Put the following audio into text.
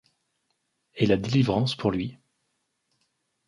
Et la délivrance pour lui...